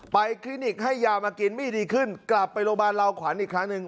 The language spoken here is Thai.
คลินิกให้ยามากินไม่ดีขึ้นกลับไปโรงพยาบาลลาวขวัญอีกครั้งหนึ่ง